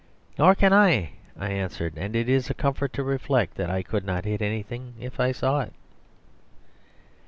"Nor can I," I answered, "and it is a comfort to reflect that I could not hit anything if I saw it."